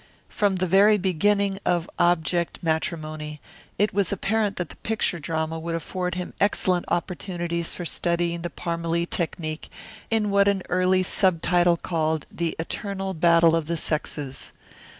From the very beginning of "Object, Matrimony" it was apparent that the picture drama would afford him excellent opportunities for studying the Parmalee technique in what an early subtitle called "The Eternal Battle of the Sexes."